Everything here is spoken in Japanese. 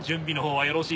はい。